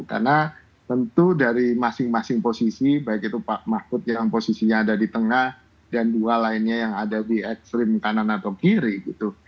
karena tentu dari masing masing posisi baik itu pak mahfud yang posisinya ada di tengah dan dua lainnya yang ada di ekstrim kanan atau kiri gitu